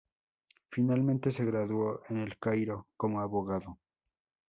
Finalmente se graduó en El Cairo como abogado.